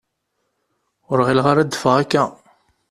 Ur ɣileɣ ara ad d-teffeɣ akka.